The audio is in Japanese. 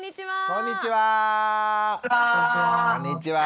こんにちは。